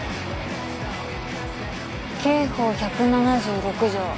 刑法１７６条